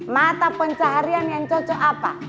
mata pencaharian yang cocok apa